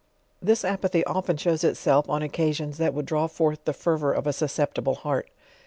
This apathy often shows itself, on occasions that would draw forth the fervor of a susceptible heart.